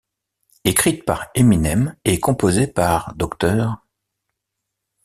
Écrite par Eminem et composée par Dr.